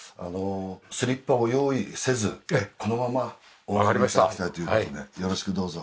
スリッパを用意せずこのままお上がり頂きたいという事でよろしくどうぞ。